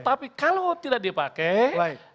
tapi kalau tidak dipakai